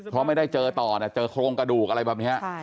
เพราะไม่ได้เจอต่อนะเจอโครงกระดูกอะไรแบบนี้